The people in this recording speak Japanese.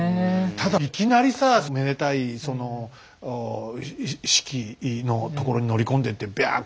ただいきなりさめでたい式のところに乗り込んでってびゃっ！